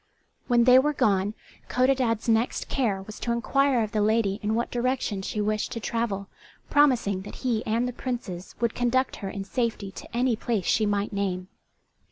When they were gone Codadad's next care was to inquire of the lady in what direction she wished to travel, promising that he and the Princes would conduct her in safety to any place she might name.